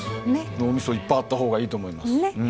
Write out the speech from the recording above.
脳みそいっぱいあった方がいいと思います。